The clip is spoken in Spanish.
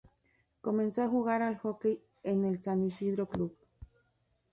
Comenzó a jugar al hockey en el San Isidro Club.